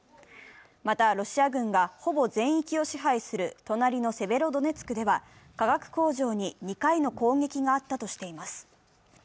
また、ロシア軍がほぼ全域を支配する隣のセベロドネツクでは、化学工場に２回の攻撃があったとしています。